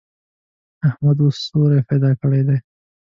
احمد اوس سوری پیدا کړی دی.